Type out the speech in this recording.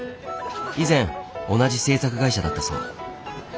以前同じ制作会社だったそう。